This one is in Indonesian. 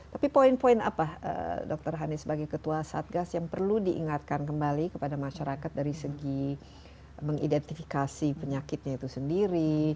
tapi poin poin apa dokter hani sebagai ketua satgas yang perlu diingatkan kembali kepada masyarakat dari segi mengidentifikasi penyakitnya itu sendiri